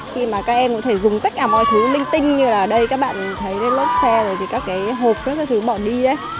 khi mà các em có thể dùng tất cả mọi thứ linh tinh như là ở đây các bạn thấy lên lốp xe rồi thì các cái hộp các thứ bỏ đi